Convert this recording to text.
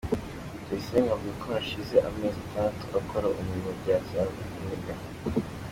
Tuyisenge avuga ko hashize amezi atandatu akora uwo murimo bya kinyamwuga.